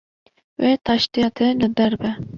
Wê taştiya te li der be